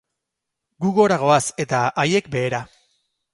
Gu gora goaz eta haiek behera.